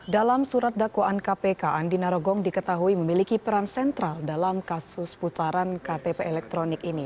dalam surat dakwaan kpk andi narogong diketahui memiliki peran sentral dalam kasus putaran ktp elektronik ini